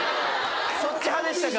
そっち派でしたか。